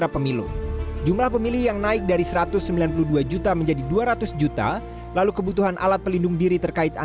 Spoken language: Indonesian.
pemilu serentak dua ribu sembilan belas